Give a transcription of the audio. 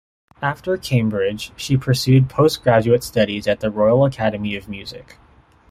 After Cambridge, she pursued postgraduate studies at the Royal Academy of Music.